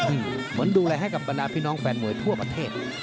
เหมือนดูแลให้กับบรรดาพี่น้องแฟนมวยทั่วประเทศ